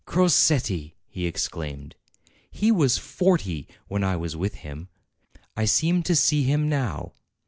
"Cro setti !" he exclaimed. "He was forty when I was with him. I seem to see him now.